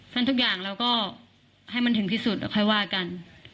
ซึ่งทุกอย่างเราก็ให้มันถึงที่สุดแล้วค่อยว่ากัน